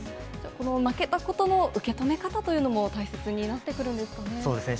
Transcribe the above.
この負けたことの受け止め方というのも大切になってくるんですかね。